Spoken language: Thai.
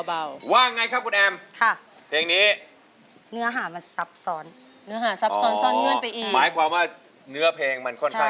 มันอาจจะสลับท่อนได้